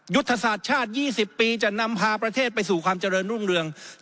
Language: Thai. ยุทธศาสตร์ชาติ๒๐ปีจะนำพาประเทศไปสู่ความเจริญรุ่งเรือง